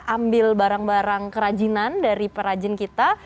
ambil barang barang kerajinan dari perajin kita